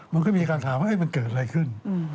มันก็มีการถามว่ามันเกิดอะไรขึ้น